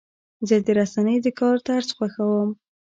زه د رسنیو د کار طرز خوښوم.